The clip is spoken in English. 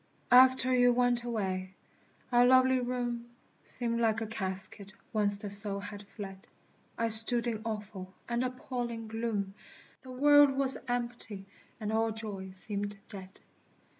After you went away, our lovely room Seemed like a casket whence the soul had fled. I stood in awful and appalling gloom, The world was empty and all joy seemed dead.